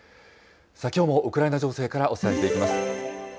きょうもウクライナ情勢からお伝えしていきます。